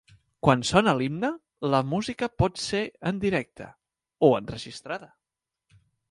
Quan sona l'himne, la música pot ser en directe o enregistrada.